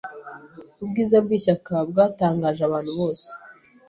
Ubwiza bwishyaka bwatangaje abantu bose.